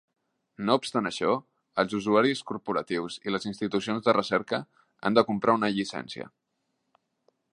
No obstant això, els usuaris corporatius i les institucions de recerca han de comprar una llicència.